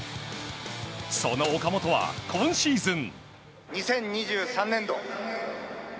その岡本は今シーズン。